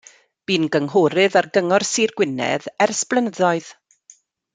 Bu'n gynghorydd ar Gyngor Sir Gwynedd ers blynyddoedd.